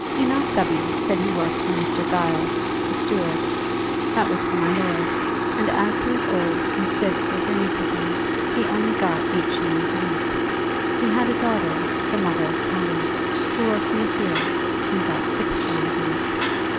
Enoch Gubby said he worked for Mr. Giles, the steward, that was for my lord, and as he was old and stiff with rheumatism he only got eight shillings a week. He had a daughter, the mother of Patty, who worked in the fields, and got six shillings a week.